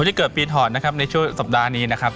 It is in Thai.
คนที่เกิดปีถอดในช่วงสัปดาห์นี้นะครับ